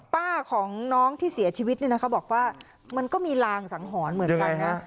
ป้าของน้องที่เสียชีวิตเนี่ยนะคะบอกว่ามันก็มีรางสังหรณ์เหมือนกันนะ